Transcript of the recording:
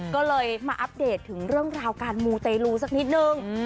ก็เลยมาอัปเดตถึงเรื่องราวการมูเตลูสักนิดนึง